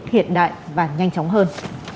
hiện đại và nhanh chóng hơn